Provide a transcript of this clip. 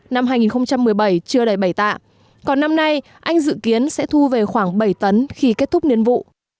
năm hai nghìn một mươi bảy chưa đầy bảy tạ còn năm nay anh dự kiến sẽ thu về khoảng bảy tấn khi kết thúc niên vụ